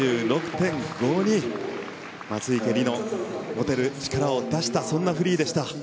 松生理乃、持てる力を出したそんなフリーでした。